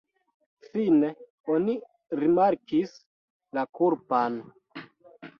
Fine oni rimarkis la kulpan.